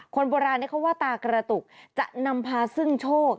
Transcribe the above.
คนโบราณเขาว่าตากระตุกจะนำพาซึ่งโชค